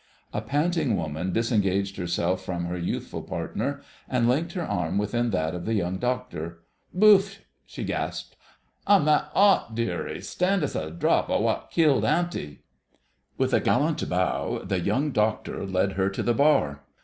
A panting woman disengaged herself from her youthful partner, and linked her arm within that of the Young Doctor. "Ouf!" she gasped, "I'm that 'ot, dearie. Stand us a drop of wot killed auntie!" With a gallant bow the Young Doctor led her to the bar.